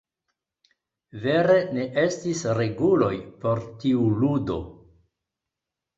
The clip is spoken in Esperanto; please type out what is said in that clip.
Vere ne estis reguloj por tiu ludo.